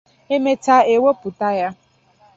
Emechaa ewepụta ya